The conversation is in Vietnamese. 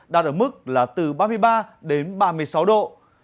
đạt ở mức là từ ba mươi ba đến ba mươi sáu độ